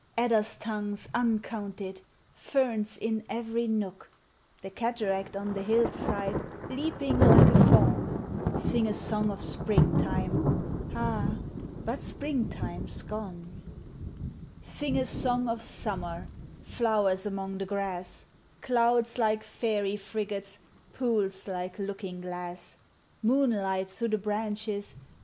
Adders tongues uncounted, Perns in every nook ; The cataract on the hillside Leaping lik< 1 a fawn ; Sing a son of Spring time, Al,, but Spring time }* gone! Sing a song of Summer! Flowers anion the grass, 192 POEMS OF NATURE. Clouds like fairy frigates, Pools like looking glass, Moonlight through the branches.